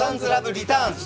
リターンズ−」